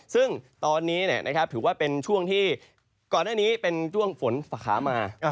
ซึ่งตอนนี้ถือว่าเป็นช่วงที่ก่อนหน้านี้เป็นช่วงฝนฝาขามา